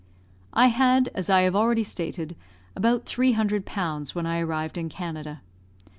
I had, as I have already stated, about 300 pounds when I arrived in Canada.